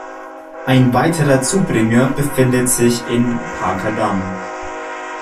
Ein weiterer Zubringer befindet sich in Parker Dam.